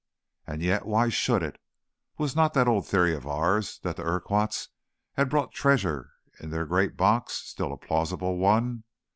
And yet why should it? Was not that old theory of ours, that the Urquharts had brought treasure in their great box, still a plausible one?